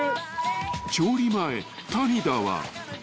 ［調理前谷田は］